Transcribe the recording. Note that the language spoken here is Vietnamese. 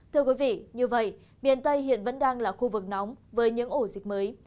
thưa quý vị như vậy miền tây hiện vẫn đang là khu vực nóng với những ổ dịch mới